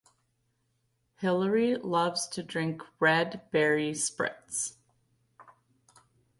Hillary loves to drink Red Berry Spritz